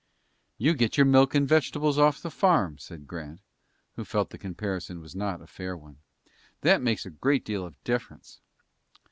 "You get your milk and vegetables off the farm," said Grant, who felt the comparison was not a fair one. "That makes a great deal of difference."